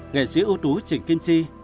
nghệ sĩ ưu tú trịnh kim chi